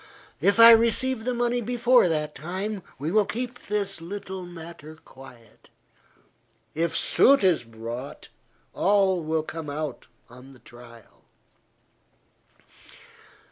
If I receive the money before that time, we will keep this little matter quiet; if suit is brought, all will come out on the trial."